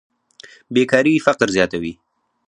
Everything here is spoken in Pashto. بېکاري فقر زیاتوي.